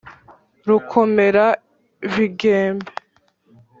Rukomera bigembe,